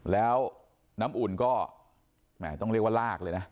แล้วน้ำอุ่นก็แหมต้องเรียกว่าลากเลยนะ